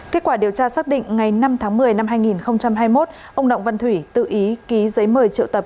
kết quả điều tra xác định ngày năm tháng một mươi năm hai nghìn hai mươi một ông đặng văn thủy tự ý ký giấy mời triệu tập